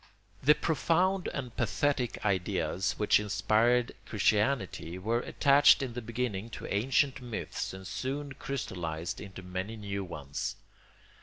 ] The profound and pathetic ideas which inspired Christianity were attached in the beginning to ancient myths and soon crystallised into many new ones.